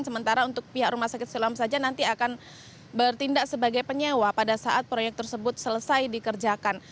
sementara untuk pihak rumah sakit siloam saja nanti akan bertindak sebagai penyewa pada saat proyek tersebut selesai dikerjakan